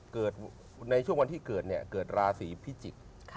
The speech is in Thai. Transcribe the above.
ในช่วงวันที่เกิดเนี่ยเกิดราศีพิจิกษ์